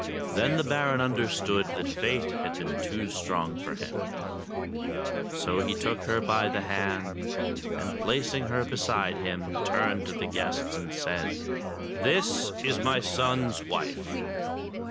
Then the Baron understood that Fate had been too strong for him ; so he took her by the hand, and, placing her beside him, turned to the guests and said : "This is my son's wife.